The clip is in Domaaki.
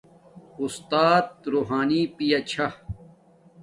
اُستات روحانی پایا چھا